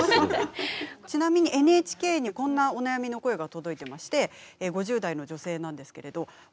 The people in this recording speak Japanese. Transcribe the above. ちなみにＮＨＫにこんなお悩みの声が届いてまして５０代の女性なんですけれどえ。